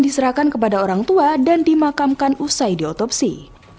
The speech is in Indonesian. diserahkan kepada orang tua dan dimakamkan usai di otopsi